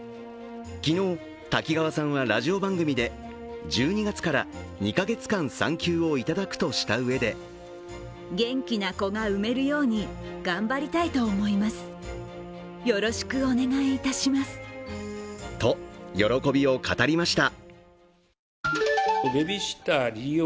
昨日、滝川さんはラジオ番組で１２月から２か月間産休を頂くとしたうえでと喜びを語りました。